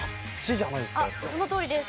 そのとおりです。